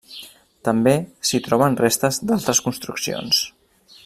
També s'hi troben restes d'altres construccions.